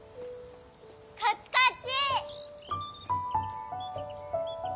こっちこっち！